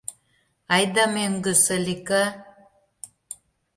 Айда мӧҥгӧ, Салика!